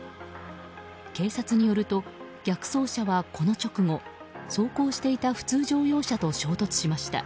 警察によると逆走車は、この直後走行していた普通乗用車と衝突しました。